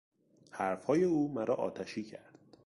حرفهای او مرا آتشی کرد.